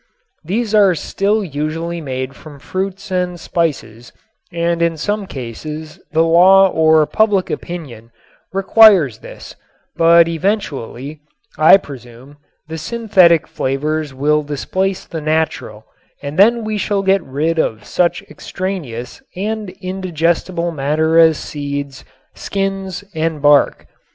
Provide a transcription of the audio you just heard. These are still usually made from fruits and spices and in some cases the law or public opinion requires this, but eventually, I presume, the synthetic flavors will displace the natural and then we shall get rid of such extraneous and indigestible matter as seeds, skins and bark.